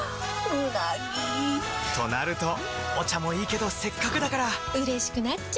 うなぎ！となるとお茶もいいけどせっかくだからうれしくなっちゃいますか！